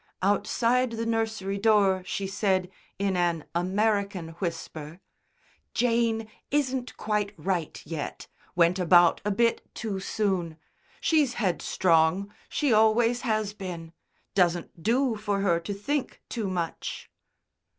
Outside the nursery door she said in an American whisper: "Jane isn't quite right yet. Went about a bit too soon. She's headstrong. She always has been. Doesn't do for her to think too much."